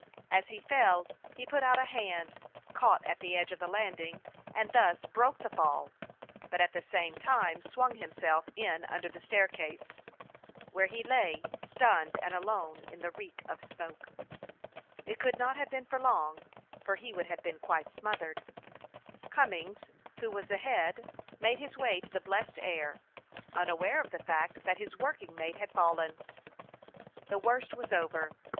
As he fell he put out a hand, caught at the edge of the landing, and thus broke the fall, but at the same time swung himself in under the staircase, where he lay, stunned and alone, in the reek of smoke. It could not have been for long, or he would 264 A FIRE DOG OF NEW YORK have been quite smothered. Cummings, who was ahead, made his way to the blessed air, unaware of the fact that his working mate had fallen. The worst was over.